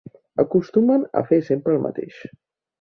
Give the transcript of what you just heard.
Acostumen a fer sempre el mateix.